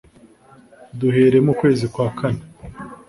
duhere mu kwezi kwa kane